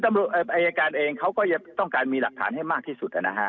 อายการเองเขาก็จะต้องการมีหลักฐานให้มากที่สุดนะฮะ